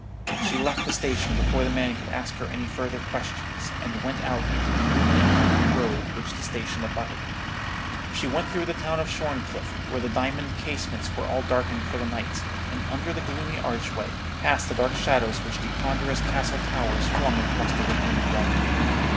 She left the station before the man could ask her any further questions, and went out into the moonlit country road on which the station abutted. She went through the town of Shorncliffe, where the diamond casements were all darkened for the night, and under the gloomy archway, past the dark shadows which the ponderous castle towers flung across the rippling water.